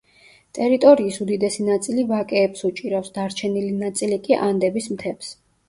ტერიტორიის უდიდესი ნაწილი ვაკეებს უჭირავს, დარჩენილი ნაწილი კი ანდების მთებს.